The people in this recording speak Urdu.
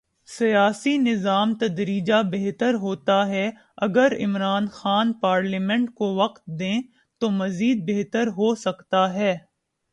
سیاسی نظام تدریجا بہتر ہوتا ہے اگر عمران خان پارلیمنٹ کو وقت دیں تو مزید بہتر ہو سکتا ہے۔